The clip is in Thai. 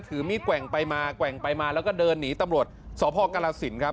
ถือมีดแกว่งไปมาแกว่งไปมาแล้วก็เดินหนีตำรวจสพกรสินครับ